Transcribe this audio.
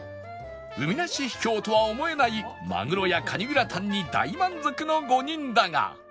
海なし秘境とは思えないマグロやカニグラタンに大満足の５人だが